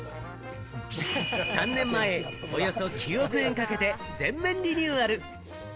３年前、およそ９億円かけて全面リニューアル。